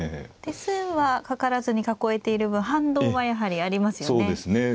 手数はかからずに囲えている分反動はやはりありますよね。